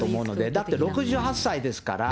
だって６８歳ですから。